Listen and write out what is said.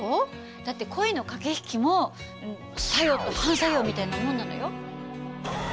だって恋の駆け引きも作用と反作用みたいなもんなのよ。